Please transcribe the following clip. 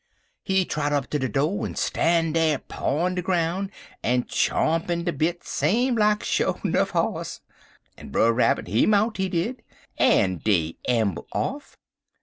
He trot up ter de do' en stan' dar pawin' de ground en chompin' de bit same like sho 'nuff hoss, en Brer Rabbit he mount, he did, en dey amble off.